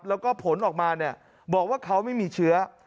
แล้วก็ผลออกมาเนี่ยบอกว่าเขาไม่มีเชื้อ